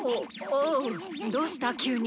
おおうどうした急に。